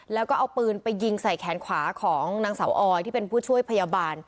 แล้วก็เอาปืนไปยิงใส่แขนขวาของนางสาวออยที่เป็นผู้ช่วยพยาบาล